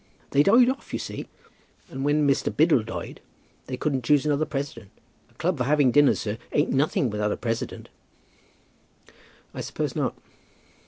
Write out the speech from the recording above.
They died off, you see, and when Mr. Biddle died they wouldn't choose another president. A club for having dinner, sir, ain't nothing without a president." "I suppose not."